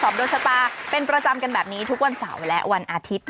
บ๊ายบาย